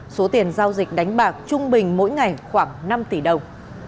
số tiền giao dịch đánh bạc trung bình mỗi ngày khoảng năm tỷ đồng